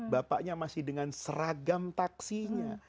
bapaknya masih dengan seragam taksinya